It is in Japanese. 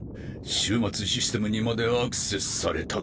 終末システムにまでアクセスされたか。